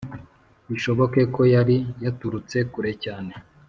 bishoboke ko yari yaturutse kure cyane!